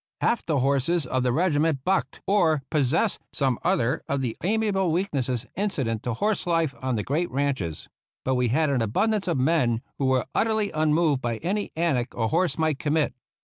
Half the horses of the regiment bucked, or pos sessed some other of the amiable weaknesses inci dent to horse life on the great ranches; but we had abundance of men who were utterly unmoved by any antic a horse might commit.